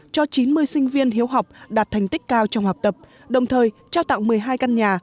cho chín mươi sinh viên hiếu học đạt thành tích cao trong học tập đồng thời trao tặng một mươi hai căn nhà